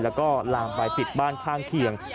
แล้วก็ลามไปติดบ้านข้างเคียง